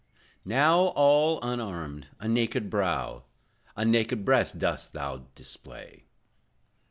Now, all unarmed, a naked brow, A naked breast dost thou display.